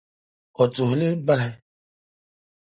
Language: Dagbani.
O tuhi li bahi.